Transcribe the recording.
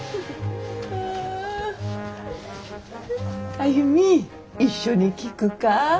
歩一緒に聴くか？